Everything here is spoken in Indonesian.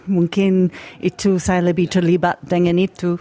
mungkin itu saya lebih terlibat dengan itu